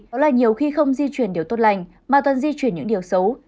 đó là nhiều khi không di chuyển điều tốt lành mà toàn di chuyển những điều xấu